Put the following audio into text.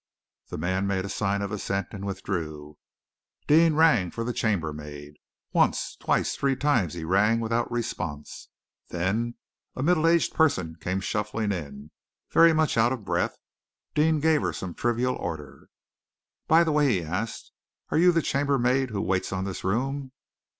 The man made a sign of assent and withdrew. Deane rang for the chambermaid. Once, twice, three times he rang, without response. Then a middle aged person came shuffling in, very much out of breath. Deane gave her some trivial order. "By the way," he asked, "are you the chambermaid who waits on this room?"